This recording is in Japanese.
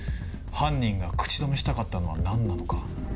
犯人が口止めしたかったのは何なのか。